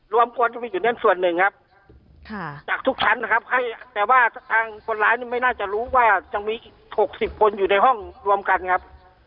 ควรจะมีอยู่นั่นส่วนหนึ่งครับจากทุกชั้นนะครับให้แต่ว่าทางคนร้ายนี่ไม่น่าจะรู้ว่ายังมีอีก๖๐คนอยู่ในห้องรวมกันครับ